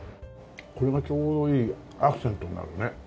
これがちょうどいいアクセントになるね。